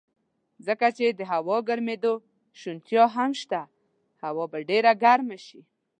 ځکه چې د هوا ګرمېدو شونتیا هم شته، هوا به ډېره ګرمه شي.